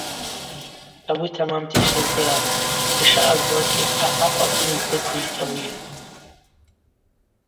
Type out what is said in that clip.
Ауи тамамта йгьсыздырам, йшаъазлакӏгьи ахӏахъв апны дыквыйтӏ ауи.